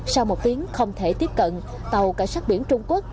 sau một tiếng không thể tiếp cận tàu cảnh sát biển trung quốc